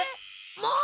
もう！